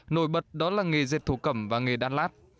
nổi bật đó là nghề dệt thổ cẩm và nghề đan lát